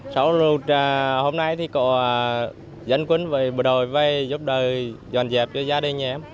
sau rồi hôm nay thì có dân quân với bộ đội về giúp đời dọn dẹp cho gia đình nhà em